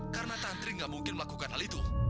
karena tantri tidak mungkin melakukan hal itu